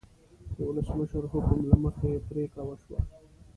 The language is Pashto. د ولسمشر حکم له مخې پریکړه وشوه.